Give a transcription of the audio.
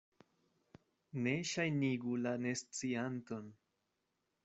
Ne ŝajnigu la nescianton.